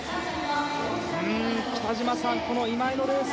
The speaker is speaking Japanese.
北島さん、今井のレース